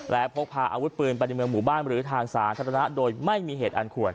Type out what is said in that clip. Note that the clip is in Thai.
และพกพาอาวุธปืนไปในเมืองหมู่บ้านหรือทางสาธารณะโดยไม่มีเหตุอันควร